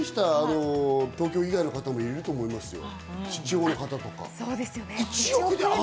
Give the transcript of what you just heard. びっくりした東京以外の方もいると思いますよ。